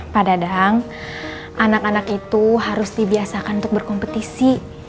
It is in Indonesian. pak dadang anak anak itu harus dibiasakan untuk berkompetisi